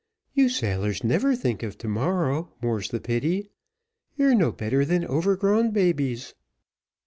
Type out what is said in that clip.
"You sailors never think of to morrow, more's the pity. You're no better than overgrown babies."